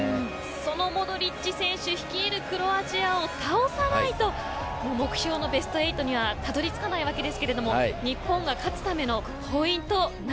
そのモドリッチ選手率いるクロアチアを倒さないと目標のベスト８にはたどり着かないわけですけれども日本が勝つためのポイント